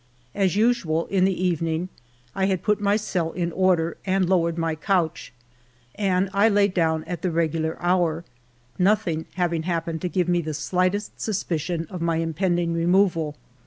As usual In the evening, I had put my cell in order and lowered my couch ; and I lay down at the regular hour, nothing having happened to give me the slight est suspicion of my impending removal.